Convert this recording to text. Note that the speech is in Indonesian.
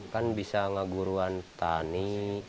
kan bisa ngeguruan tani